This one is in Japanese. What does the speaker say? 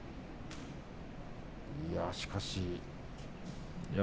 いやあ、しかしね。